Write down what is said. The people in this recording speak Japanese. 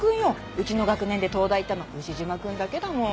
うちの学年で東大行ったの牛島くんだけだもん。